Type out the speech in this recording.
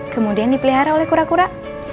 kemudian dipelihara oleh kura kura